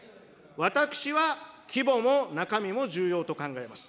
私は規模も中身も重要と考えます。